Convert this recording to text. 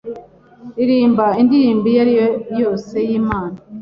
Ririmba indirimbo iyo ariyo yose y’ imana